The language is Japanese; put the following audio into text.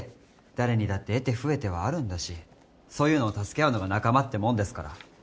誰にだって得手不得手はあるんだしそういうのを助け合うのが仲間ってもんですから。